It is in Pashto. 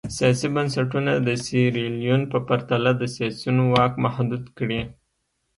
سیاسي بنسټونه د سیریلیون په پرتله د سیاسیونو واک محدود کړي.